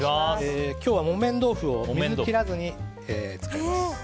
今日は木綿豆腐を水を切らずに使います。